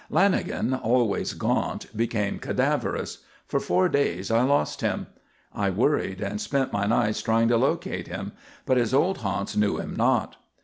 Lanagan, always gaunt, became cadaverous. For four days I lost him. I worried and spent my nights trying to locate him, but his old haunts knew him not.